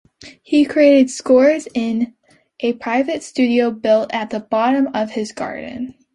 He creates scores in a private studio built at the bottom of his garden.